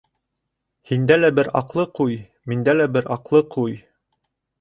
Һиндә лә бер аҡлы ҡуй, миндә лә бер аҡлы ҡуй;